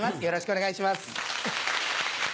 よろしくお願いします。